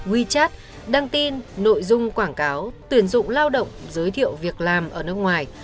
wechat đăng tin nội dung quảng cáo tuyển dụng lao động giới thiệu việc làm ở nước ngoài